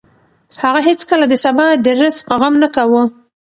هغه هېڅکله د سبا د رزق غم نه کاوه.